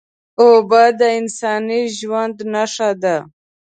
اوبه د انساني ژوند نښه ده